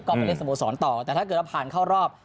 ก็ไปเล่นสโมสรต่อแต่ถ้าเกิดเราผ่านเข้ารอบ